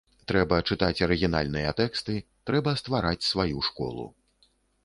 Трэба чытаць арыгінальныя тэксты, трэба ствараць сваю школу.